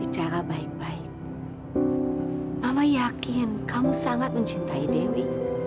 dre ya ampun kenapa dre